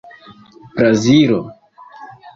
brazilo